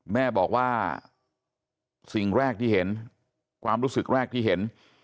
แม่บอกว่าสิ่งแรกที่เห็นความรู้สึกแรกที่เห็น